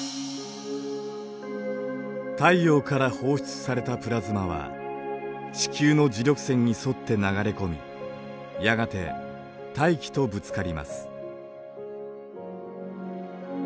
太陽から放出されたプラズマは地球の磁力線に沿って流れ込みやがて大気とぶつかります。